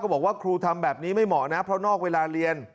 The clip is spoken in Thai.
บอกว่าครูทำแบบนี้ไม่เหมาะนะเพราะนอกเวลาเรียน